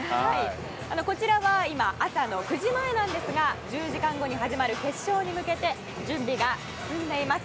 こちらは今朝の９時前なんですが１０時間後に始まる決勝に向けて準備が進んでいます。